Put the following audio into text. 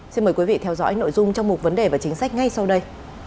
xin mời quý vị theo dõi nội dung trong một vấn đề và chính sách ngay sau đây